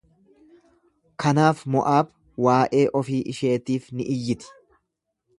Kanaaf Mo'aab waa'ee ofii isheetiif ni iyyiti.